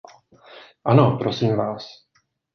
Ano, prosím vás.